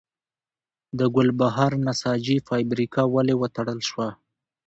د ګلبهار نساجي فابریکه ولې وتړل شوه؟